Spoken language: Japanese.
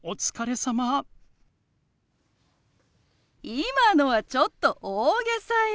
今のはちょっと大げさよ。